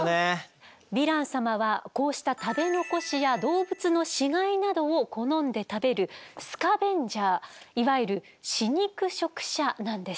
ヴィラン様はこうした食べ残しや動物の死骸などを好んで食べるスカベンジャーいわゆる死肉食者なんです。